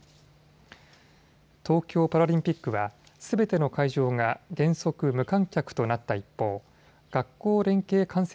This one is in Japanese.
東京パラリンピックはすべての会場が原則、無観客となった一方、学校連携観戦